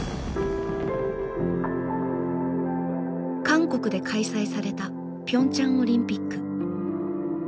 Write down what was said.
韓国で開催されたピョンチャンオリンピック。